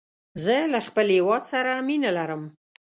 زه له خپل هېواد سره مینه لرم